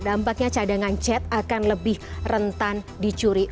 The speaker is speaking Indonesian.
dampaknya cadangan chat akan lebih rentan dicuri